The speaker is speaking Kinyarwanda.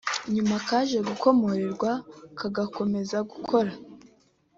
nyuma kaje gukomorerwa kagakomeza gukora